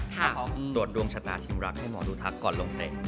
ตรวจดวงชะตาที่รักให้หมอดูทักก่อนลงเตะ